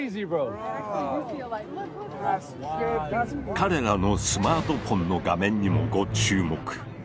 彼らのスマートフォンの画面にもご注目。